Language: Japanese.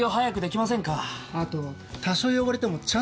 あと。